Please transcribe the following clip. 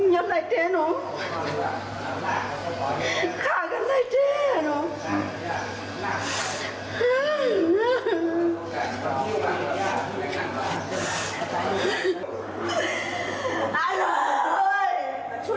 อยากได้เจ๊หนูข้ากันให้เจ๊นี่นู